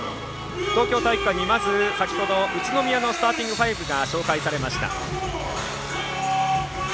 東京体育館に先ほど宇都宮のスターティング５が紹介されました。